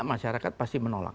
anak masyarakat pasti menolak